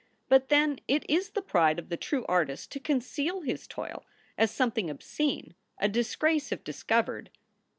But then it is the pride of the true artist to conceal his toil as something obscene, a disgrace if discovered.